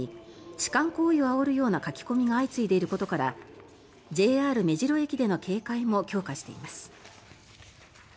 痴漢行為をあおるような書き込みが相次いでいることからＪＲ目白駅での警戒も強化しています。